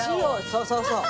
そうそうそう。